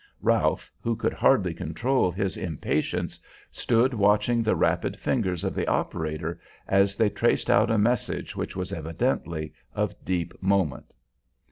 Ralph, who could hardly control his impatience, stood watching the rapid fingers of the operator as they traced out a message which was evidently of deep moment.